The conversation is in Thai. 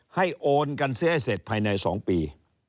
โอนกันเสียให้เสร็จภายใน๒ปี